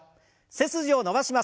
背筋を伸ばします。